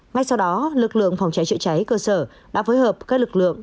ngay sau đó lực lượng phòng cháy chữa cháy cơ sở đã phối hợp các lực lượng